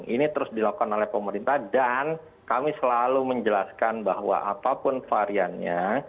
ini terus dilakukan oleh pemerintah dan kami selalu menjelaskan bahwa apapun variannya